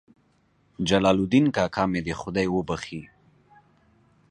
جلال الدین کاکا مې دې خدای وبخښي.